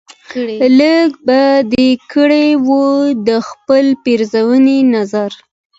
لږ به دې کړی و دخپلې پیرزوینې نظر